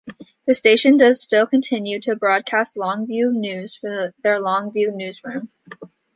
The station does still continue to broadcast Longview news from their Longview newsroom.